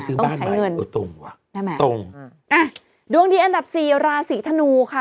ต้องใช้เงินตรงอ่ะดวงที่อันดับ๔ราศีธนูค่ะ